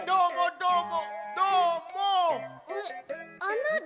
どーも。